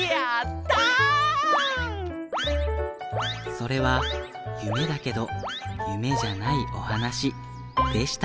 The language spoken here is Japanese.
それはゆめだけどゆめじゃないおはなしでした。